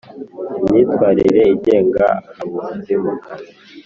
imyitwarire igenga abunzi mu kazi